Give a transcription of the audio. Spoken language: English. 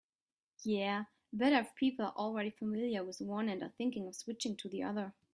Yeah, better if people are already familiar with one and are thinking of switching to the other.